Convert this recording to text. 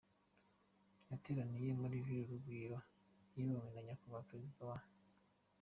yateraniye muri Village Urugwiro, iyobowe na Nyakubahwa Perezida wa